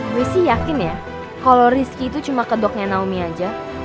gue sih yakin ya kalau rizky itu cuma kedoknya naomi aja